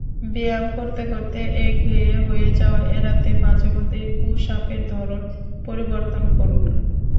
ব্যায়াম করতে করতে একঘেয়ে হয়ে যাওয়া এড়াতে মাঝেমধ্যেই পুশ-আপের ধরন পরিবর্তন করুন।